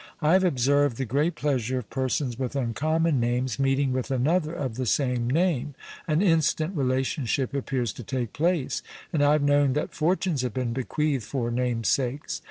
I have observed the great pleasure of persons with uncommon names meeting with another of the same name; an instant relationship appears to take place; and I have known that fortunes have been bequeathed for namesakes.